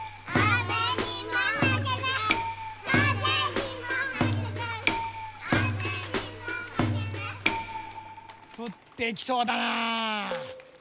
ふってきそうだな。